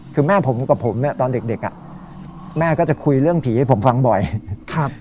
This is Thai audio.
คือแม่ผมกับผมเนี่ยตอนเด็กเด็กอ่ะแม่ก็จะคุยเรื่องผีให้ผมฟังบ่อยครับ